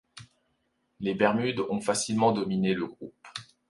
Les Bermudes ont facilement dominé le groupe.